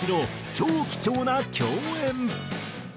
超貴重な共演。